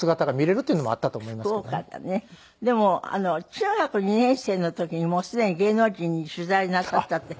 でも中学２年生の時にもうすでに芸能人に取材なさったって。